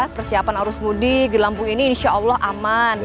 persiapan arus mudik di lampung ini insya allah aman